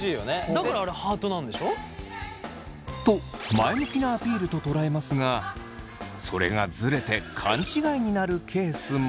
だからあれハートなんでしょ？と前向きなアピールと捉えますがそれがズレて勘違いになるケースも。